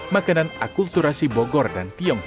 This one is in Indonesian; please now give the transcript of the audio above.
makanan akulturasi bogor dan tionghoa